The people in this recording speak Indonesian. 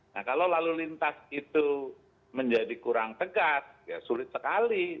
nah kalau lalu lintas itu menjadi kurang tegas ya sulit sekali